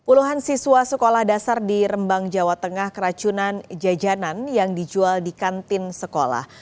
puluhan siswa sekolah dasar di rembang jawa tengah keracunan jajanan yang dijual di kantin sekolah